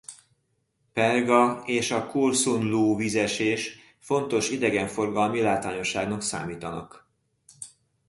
Perga és a Kursunlu-vízesés fontos idegenforgalmi látványosságnak számítanak.